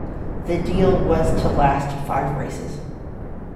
The deal was to last five races.